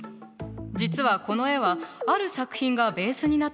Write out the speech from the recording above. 実はこの絵はある作品がベースになっているの。